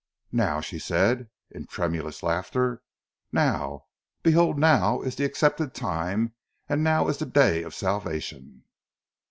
"Now!" she said, in tremulous laughter. "Now! 'Behold now is the accepted time and now is the day of salvation.'